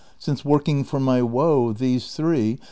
Since, working for my woe, these three.